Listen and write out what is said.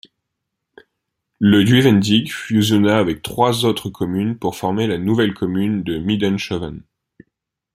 Le Duivendijke fusionna avec trois autres communes pour former la nouvelle commune de Middenschouwen.